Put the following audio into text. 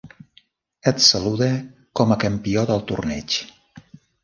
Et salude com a campió del torneig.